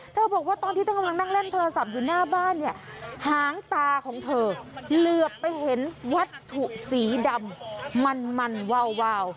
บอกว่าตอนที่เธอกำลังนั่งเล่นโทรศัพท์อยู่หน้าบ้านเนี่ยหางตาของเธอเหลือไปเห็นวัตถุสีดำมันวาว